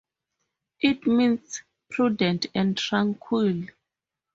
It means "prudent and tranquil".